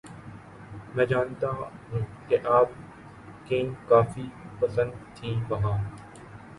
میں جانتا ہیںں کہ آپ کیں کافی پسند تھیں وہاں